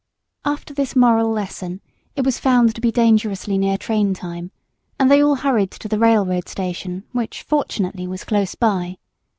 After this moral lesson it was found to be dangerously near train time; and they all hurried to the railroad station, which, fortunately, was close by.